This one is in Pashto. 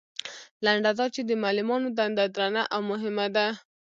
لنډه دا چې د معلمانو دنده درنه او مهمه ده.